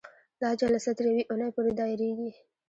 دا جلسه تر یوې اونۍ پورې دایریږي.